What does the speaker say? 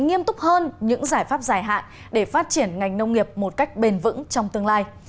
nghiêm túc hơn những giải pháp dài hạn để phát triển ngành nông nghiệp một cách bền vững trong tương lai